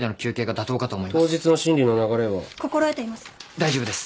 大丈夫です。